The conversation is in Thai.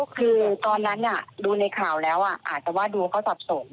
คือตอนนั้นดูในข่าวแล้วอาจจะว่าดูเขาสับสน